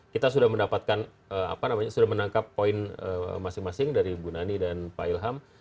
kita sudah mendapatkan apa namanya sudah menangkap poin masing masing dari bu nani dan pak ilham